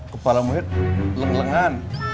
kepala muid leng lengan